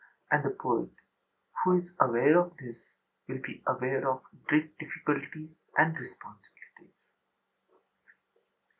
And the poet who is aware of this will be aware of great difficulties and responsibilities.